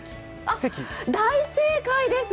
大正解です。